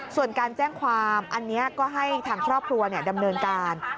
ส่วนการแจ้งความอันนี้ก็ให้ทางครอบครัวดำเนินการ